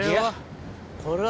これは。